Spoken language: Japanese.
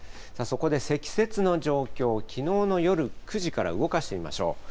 そこで積雪の状況、きのうの夜９時から動かしてみましょう。